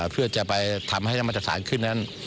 เพื่อจะไปทำให้น้ำมาสถานขึ้นนั้น